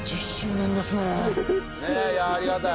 いやありがたい。